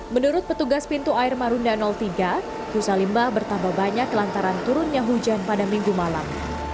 menurut petugas pintu air marunda tiga busa limbah bertambah banyak lantaran turunnya hujan pada minggu malam